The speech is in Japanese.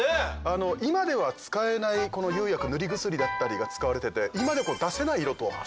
今では使えない釉薬塗り薬だったりが使われててきれい。